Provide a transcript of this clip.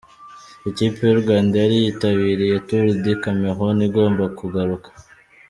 Ikipe y'u Rwanda yari yitabiriye Tour du Cameroun igomba kugaruka.